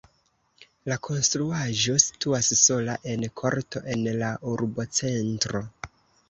La konstruaĵo situas sola en korto en la urbocentro.